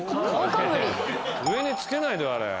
上につけないでよあれ。